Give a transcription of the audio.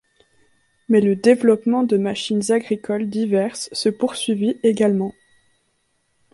Mais le développement de machines agricoles diverses se poursuivit également.